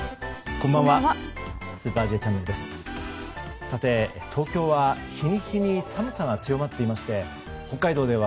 こんばんは。